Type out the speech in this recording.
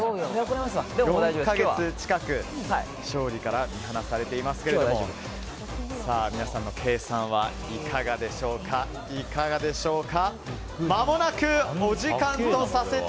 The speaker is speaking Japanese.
４か月近く、勝利から見放されていますけれどもさあ、皆さんの計算はいかがでしょうか？